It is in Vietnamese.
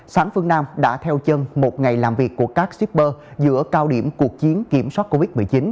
sáng phương nam đã theo chân một ngày làm việc của các shipper giữa cao điểm cuộc chiến kiểm soát covid một mươi chín